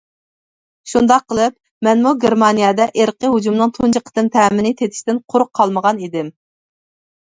شۇنداق قىلىپ مەنمۇ گېرمانىيەدە ئىرقىي ھۇجۇمنىڭ تۇنجى قېتىم تەمىنى تېتىشتىن قۇرۇق قالمىغان ئىدىم.